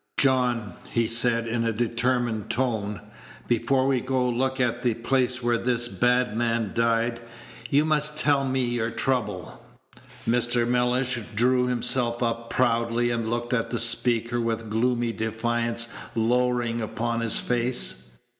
"John," he said, in a determined tone, "before we go to look at the place where this bad man died, you must tell me your trouble." Mr. Mellish drew himself up proudly, and looked at the speaker with gloomy defiance lowering upon his face.